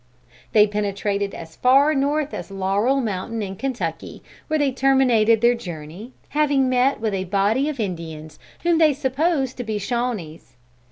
"They penetrated as far north as Laurel Mountain, in Kentucky, where they terminated their journey, having met with a body of Indians whom they supposed to be Shawnees.